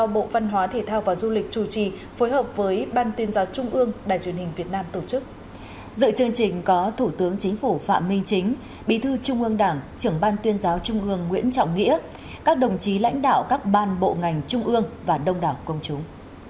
bí thư trung ương đảng trưởng ban tuyên giáo trung ương nguyễn trọng nghĩa các đồng chí lãnh đạo các ban bộ ngành trung ương và đông đảng công chúng